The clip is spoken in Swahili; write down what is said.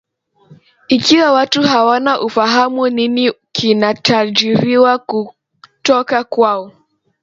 Ikiwa watu hawana ufahamu nini kinatarajiwa kutoka kwao